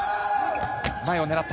前を狙った。